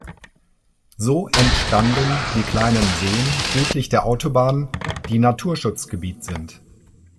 So entstanden die kleinen Seen südlich der Autobahn, die Naturschutzgebiet sind.